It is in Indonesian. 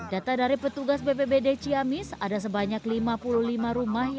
dan angin puting beliung di sebuah kapal